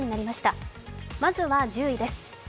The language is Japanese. まずは１０位です。